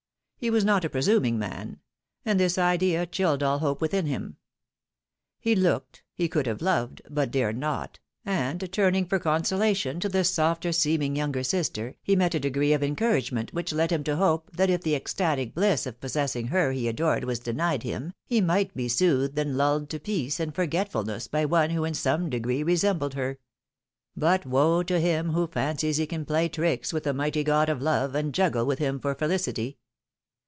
He was not a presuming man ; and this idea chilled all hope within him ! He looked — he could have loved — ^but dared not — and turning for consolation to the softer seeming younger sister, he met a degree of encouragement which led him to hope that if the ecstatic bliss of possessing her he adored was denied him, he might be soothed and lulled to peace and forgetfulness by one who in some degree resembled her. But woe to him who fancies he can play tricks with the mighty god of love, and juggle with him for felicity